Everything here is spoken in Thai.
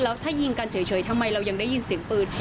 แล้วถ้ายิงกันเฉยทำไมเรายังได้ยินเสียงปืน